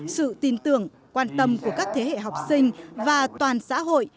sự tin tưởng quan tâm của các thế hệ học sinh và toàn xã hội